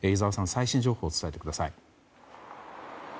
最新情報伝えてください。